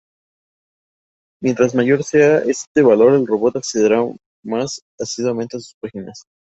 Mientras mayor sea este valor, el robot accederá más asiduamente a sus páginas.